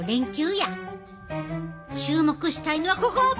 注目したいのはここ！